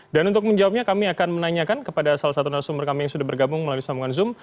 dan untuk menjawabnya kami akan menanyakan kepada salah satu narasumber kami yang sudah bergabung melalui sambungan zoom